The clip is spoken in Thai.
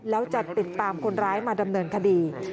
แล้วจะติดตามคนร้ายมาดำเนินคดี